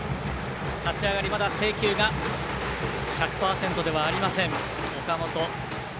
立ち上がり、まだ制球が１００％ではありません、岡本。